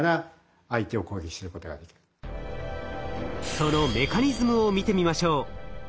そのメカニズムを見てみましょう。